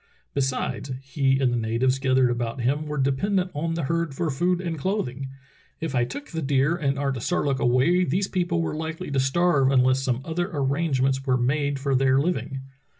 Besides, he and the natives gathered about him were dependent on the herd for food and clothing. If I took the deer and Artisarlook away these people were likely to starve unless some other arrangements were made for their living.